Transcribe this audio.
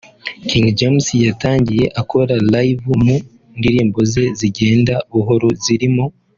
King James yatangiye akora live mu ndirimbo ze zigenda buhoro zirimo